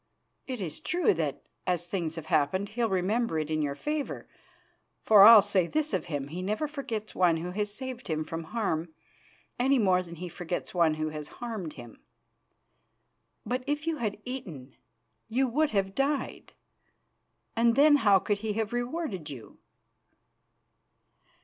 It is true that, as things have happened, he'll remember it in your favour, for I'll say this of him, he never forgets one who has saved him from harm, any more than he forgets one who has harmed him. But if you had eaten you would have died, and then how could he have rewarded you?"